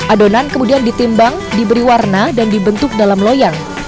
adonan kemudian ditimbang diberi warna dan dibentuk dalam loyang